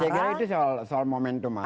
saya kira itu soal momentum